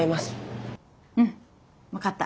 うん分かった。